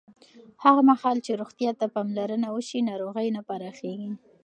هغه مهال چې روغتیا ته پاملرنه وشي، ناروغۍ نه پراخېږي.